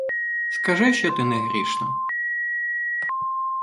Скажи, що ти не грішна?